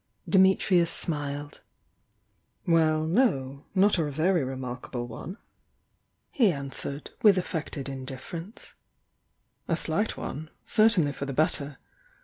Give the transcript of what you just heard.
Dimitrius smiled. "Well, no! — not a very remarkable one," he an swered, with affected indifference. "A slight one, — certainly for the better.